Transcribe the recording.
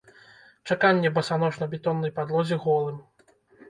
Чаканне басанож на бетоннай падлозе голым.